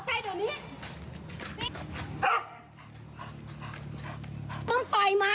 ไม่ได้ปล่อยกระดูกมา